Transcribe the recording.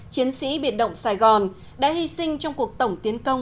chiến sĩ biệt động sài gòn đã hy sinh trong cuộc tổng tiến công